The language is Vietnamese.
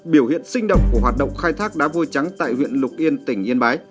biểu hiện sinh động của hoạt động khai thác đá vôi trắng tại huyện lục yên tỉnh yên bái